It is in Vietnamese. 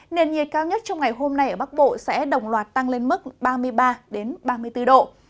nền nhiệt cao nhất trong ngày hôm nay ở bắc bộ sẽ đồng loạt tăng lên mức ba mươi ba ba mươi bốn độ